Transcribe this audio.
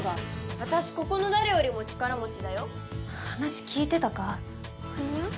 私ここの誰よりも力持ちだよ話聞いてたか？はにゃ？